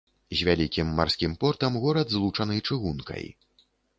З вялікім марскім портам горад злучаны чыгункай.